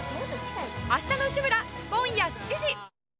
「あしたの内村！！」、今夜７時。